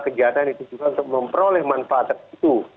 kejahatan itu juga untuk memperoleh manfaatnya itu